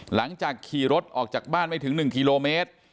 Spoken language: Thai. หลังจากขี่รถออกจากบ้านไม่ถึง๑กิโลเมตร